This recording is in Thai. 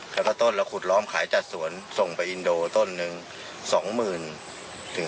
แล้วก็ต้นแล้วขุดล้อมขายจัดสวนส่งไปอินโดต้นนึง๒๐๐๐๐ถึง๕๐๐๐๐